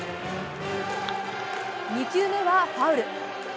２球目はファウル。